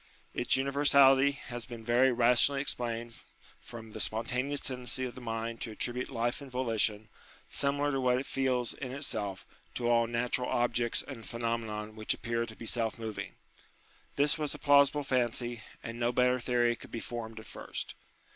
Its universality has been very rationally explained from the spontaneous tendency of the mind to attribute life and volition, similar to what it feels in itself, to all natural objects and phenomena which appear to be self moving. This was a plausible fancy, and no better theory could be formed at first.